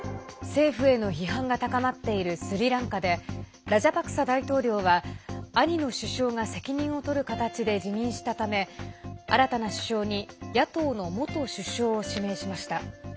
政府への批判が高まっているスリランカでラジャパクサ大統領は兄の首相が責任を取る形で辞任したため新たな首相に野党の元首相を指名しました。